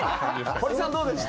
堀さん、どうでした？